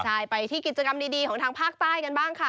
ใช่ไปที่กิจกรรมดีของทางภาคใต้กันบ้างค่ะ